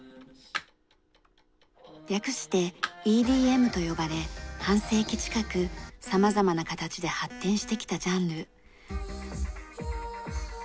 略して「ＥＤＭ」と呼ばれ半世紀近く様々な形で発展してきたジャンル。